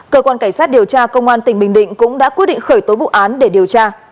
cơ quan cảnh sát điều tra công an tỉnh bình định cũng đã quyết định khởi tố vụ án để điều tra